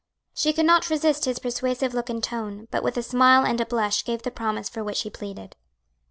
She could not resist his persuasive look and tone, but with a smile and a blush gave the promise for which he pleaded.